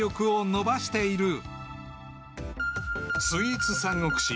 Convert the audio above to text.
［スイーツ三国志。